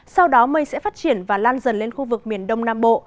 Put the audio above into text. sau đó mây sẽ phát triển và lan dần lên khu vực miền đông nam bộ